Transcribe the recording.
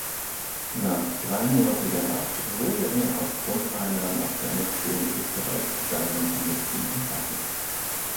Nach dreimonatiger Haft wurde er aufgrund einer nach der Annexion Österreichs ergangenen Amnestie entlassen.